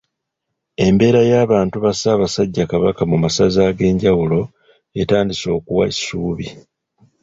Embeera y'abantu ba Ssaabasajja Kabaka mu masaza ag'enjawulo etandise okuwa essuubi.